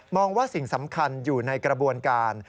ว่าสิ่งสำคัญอยู่ในกระบวนการ